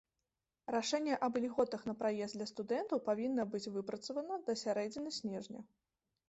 Рашэнне аб ільготах на праезд для студэнтаў павінна быць выпрацавана да сярэдзіны снежня.